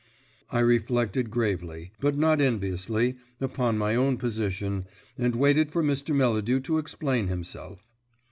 I reflected gravely, but not enviously, upon my own position, and waited for Mr. Melladew to explain himself.